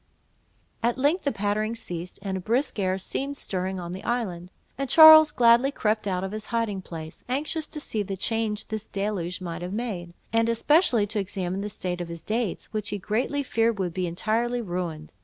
At length the pattering ceased, and a brisk air seemed stirring on the island; and Charles gladly crept out of his hiding place, anxious to see the change this deluge might have made, and especially to examine the state of his dates, which he greatly feared would be entirely ruined.